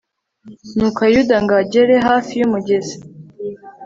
nuko yuda ngo agere hafi y'umugezi